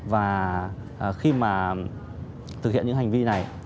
và khi mà thực hiện những hành vi này